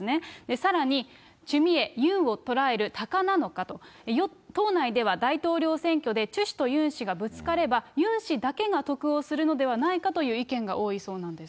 さらにチュ・ミエ、ユンを捉えるタカなのか、党内では大統領選挙でチュ氏とユン氏がぶつかれば、ユン氏だけが得をするのではないかという意見が多いそうなんです。